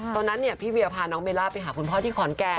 ตอนนั้นพี่เวียพาน้องเบลล่าไปหาคุณพ่อที่ขอนแก่น